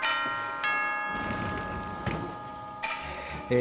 え